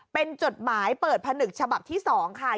เป็นจดหมายเปิดผนึกฉบับที่๒ค่ะ